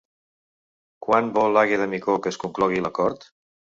Quan vol Àgueda Micó que es conclogui l'acord?